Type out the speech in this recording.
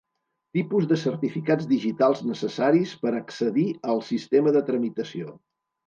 Tipus de certificats digitals necessaris per accedir al sistema de tramitació.